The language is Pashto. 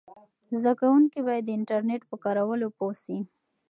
زده کوونکي باید د انټرنیټ په کارولو پوه سي.